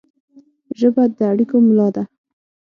ژبه د اړیکو ملا ده